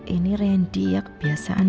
ini randy ya kebiasaan